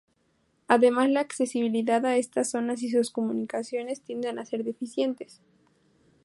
Además la accesibilidad a estas zonas y sus comunicaciones tienden a ser deficientes.